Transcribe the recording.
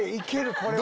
これは。